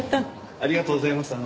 ありがとうございます。